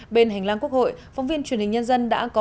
bên hành lang quốc hội phóng viên truyền hình nhân dân đã có cuộc gọi